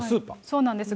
そうなんです。